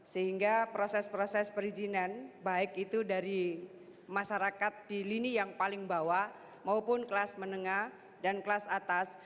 sehingga proses proses perizinan baik itu dari masyarakat di lini yang paling bawah maupun kelas menengah dan kelas atas